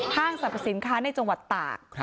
สรรพสินค้าในจังหวัดตาก